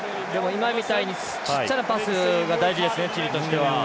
今みたいにちっちゃなパスが大事ですね、チリとしては。